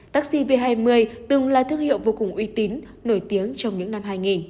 taxi v hai mươi từng là thương hiệu vô cùng uy tín nổi tiếng trong những năm hai nghìn